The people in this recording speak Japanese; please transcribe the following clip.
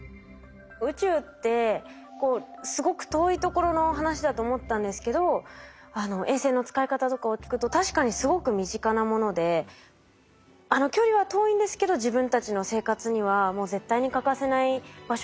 宇宙ってすごく遠いところの話だと思ってたんですけど衛星の使い方とかを聞くと確かにすごく身近なもので距離は遠いんですけど自分たちの生活にはもう絶対に欠かせない場所じゃないですか。